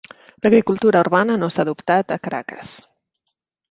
L'agricultura urbana no s'ha adoptat a Caracas.